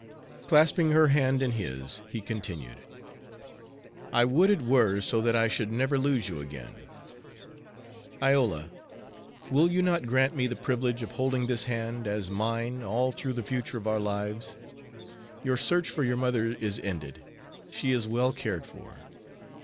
Clasping her hand in his, he continued, "I would it were so that I should never lose you again! Iola, will you not grant me the privilege of holding this hand as mine all through the future of our lives? Your search for your mother is ended. She is well cared for.